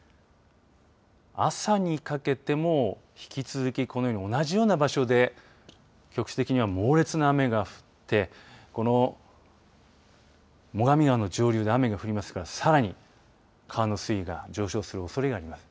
朝にかけても引き続きこのように同じような場所で局地的には猛烈な雨が降って最上川の上流に雨が降りますからさらに川の水位が上昇するおそれがあります。